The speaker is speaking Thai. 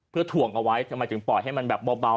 เพื่อถ่วงเอาไว้ทำไมถึงปล่อยให้มันแบบเบา